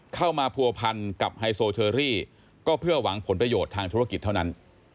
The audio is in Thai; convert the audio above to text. เข้ามาผัวพันกับไฮโซเชอรี่ก็เพื่อหวังผลประโยชน์ทางธุรกิจเท่านั้น